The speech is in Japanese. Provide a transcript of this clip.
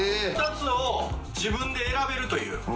２つを自分で選べるという。